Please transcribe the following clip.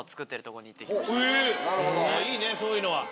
いいねそういうのは。